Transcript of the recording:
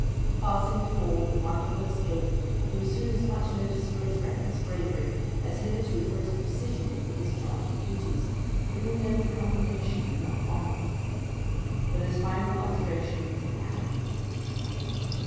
Passing through all with wonderful escape, he was soon as much noticed for his reckless bravery, as hitherto for his precision in the discharge of duties bringing only commendation and not honour. But his final lustration was at hand.